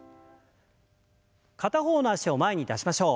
片方の脚を前に出しましょう。